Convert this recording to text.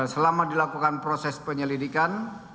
selama dilakukan proses penyelidikan